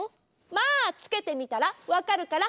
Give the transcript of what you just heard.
まあつけてみたらわかるから。